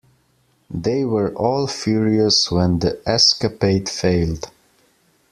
They were all furious when the escapade failed.